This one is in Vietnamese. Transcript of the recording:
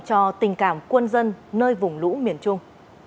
cho tình cảm quân dân nơi vùng lũ miền trung